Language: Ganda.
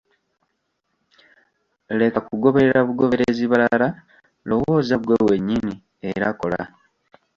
Leka kugoberera bugoberezi balala, lowooza ggwe wennyini era kola.